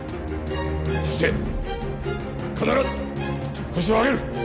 そして必ずホシを挙げる！